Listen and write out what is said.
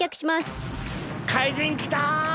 かいじんきた！